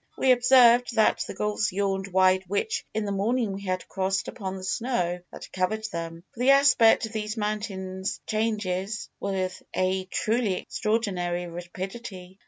We observed that the gulfs yawned wide which in the morning we had crossed upon the snow that covered them; for the aspect of these mountains changes with a truly extraordinary rapidity.